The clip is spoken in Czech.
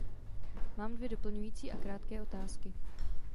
Mám dvě doplňující a krátké otázky.